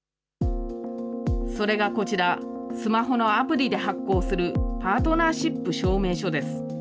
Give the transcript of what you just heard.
それがこちら、スマホのアプリで発行するパートナーシップ証明書です。